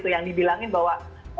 yang dibilangin bahwa